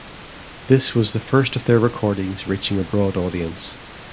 This was the first of their records reaching a broad audience.